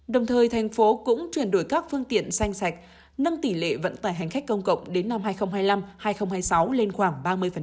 đồng thời thành phố cũng chuyển đổi các phương tiện xanh sạch nâng tỷ lệ vận tải hành khách công cộng đến năm hai nghìn hai mươi năm hai nghìn hai mươi sáu lên khoảng ba mươi